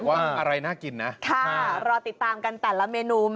ว่าอะไรน่ากินนะค่ะรอติดตามกันแต่ละเมนู